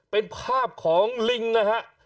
เป็นภาพของลิงนะฮะ